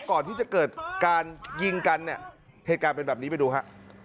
ก่อนที่จะเกิดการยิงกันเนี่ยเหตุการณ์เป็นแบบนี้ไปดูฮะ